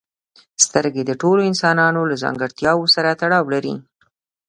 سترګې د ټولو انسانانو له ځانګړتیاوو سره تړاو لري.